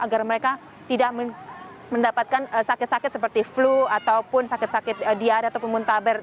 agar mereka tidak mendapatkan sakit sakit seperti flu ataupun sakit sakit diada atau pemuntaber